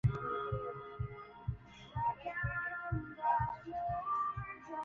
Jana nilichapwa